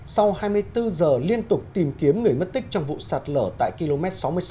sau hai mươi bốn giờ liên tục tìm kiếm người mất tích trong vụ sạt lở tại km sáu mươi sáu